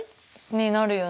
になるよね。